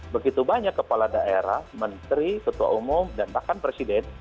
begitu banyak kepala daerah menteri ketua umum dan bahkan presiden